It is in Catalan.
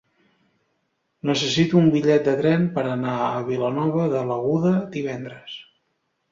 Necessito un bitllet de tren per anar a Vilanova de l'Aguda divendres.